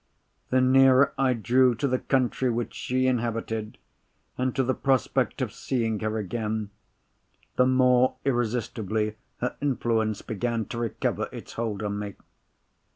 The nearer I drew to the country which she inhabited, and to the prospect of seeing her again, the more irresistibly her influence began to recover its hold on me.